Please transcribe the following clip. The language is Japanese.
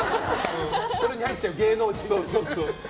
それに入っちゃう芸能人も。